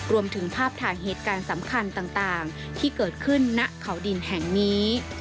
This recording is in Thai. รวมถึงภาพถ่ายเหตุการณ์สำคัญต่างที่เกิดขึ้นณเขาดินแห่งนี้